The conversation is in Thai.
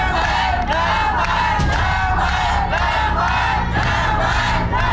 เจ้าไว้